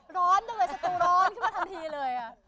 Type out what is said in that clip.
ร้อนจังเลยสตูร้อนขึ้นมาทันทีเลย